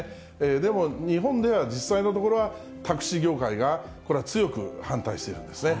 でも、日本では実際のところは、タクシー業界がこれは強く反対しているんですね。